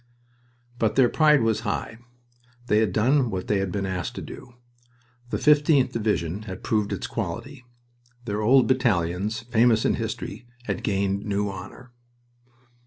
But their pride was high. They had done what they had been asked to do. The 15th Division had proved its quality. Their old battalions, famous in history, had gained new honor.